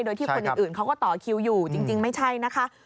โดยที่คนอื่นเขาก็ต่อคิวอยู่จริงไม่ใช่นะคะ